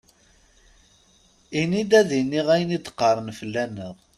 Ini-d ad iniɣ ayen i d-qqaṛen fell-aneɣ!